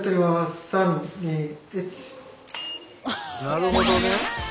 なるほどね。